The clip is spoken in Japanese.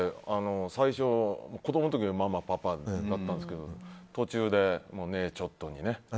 子供の時はママ、パパだったんですけど途中でねえ、ちょっとにね。